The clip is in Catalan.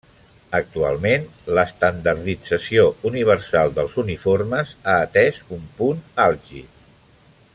Actualment l'estandardització universal dels uniformes ha atès un punt àlgid.